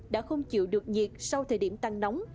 đã không chịu được nhiệt sau thời điểm tăng nóng